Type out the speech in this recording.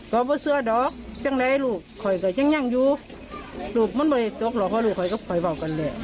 ก็ไม่เชื่อดอกจังหลายลูกค่อยกับยังยังอยู่ลูกมันไม่ตกหรอกว่าลูกค่อยกับค่อยเว่ากันแหละ